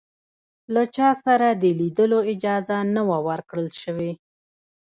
له چا سره د لیدلو اجازه نه وه ورکړل شوې.